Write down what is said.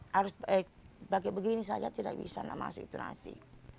harus pakai begini saja tidak bisa masuk itu nasi